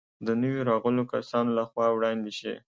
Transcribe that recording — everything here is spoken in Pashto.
د نویو راغلو کسانو له خوا وړاندې شي.